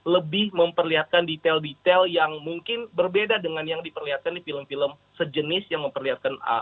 lebih memperlihatkan detail detail yang mungkin berbeda dengan yang diperlihatkan di film film sejenis yang memperlihatkan